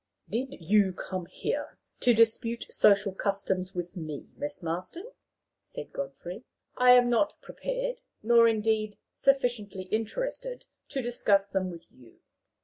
"Did you come here to dispute social customs with me, Miss Marston?" said Godfrey. "I am not prepared, nor, indeed, sufficiently interested, to discuss them with you."